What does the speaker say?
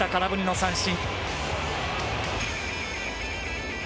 空振りの三振！